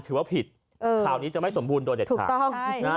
ถือว่าผิดข่าวนี้จะไม่สมบูรณ์โดยเด็ดขาดถูกต้องนะฮะ